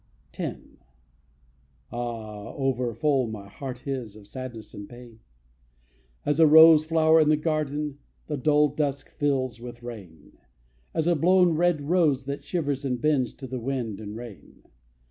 X. Ah! over full my heart is Of sadness and of pain; As a rose flower in the garden The dull dusk fills with rain; As a blown red rose that shivers And bends to the wind and rain.